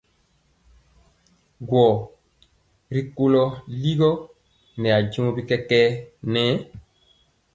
Gɔ rikolɔ ligɔ nɛ ajeŋg bi kɛkɛɛ nɛ.